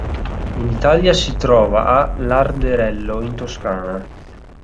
In Italia si trova a Larderello, in Toscana.